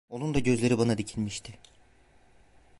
Onun da gözleri bana dikilmişti.